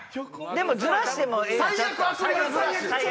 でもずらしても。